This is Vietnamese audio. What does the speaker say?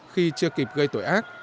khi chưa kịp gây tội ác